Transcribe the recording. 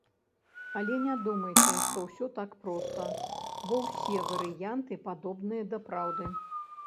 Але не думайце, што ўсё так проста, бо ўсе варыянты падобныя да праўды.